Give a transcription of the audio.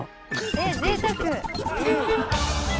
えっぜいたく！